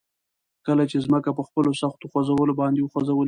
کله چې ځمکه په خپلو سختو خوځولو باندي وخوځول شي